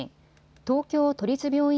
東京都立病院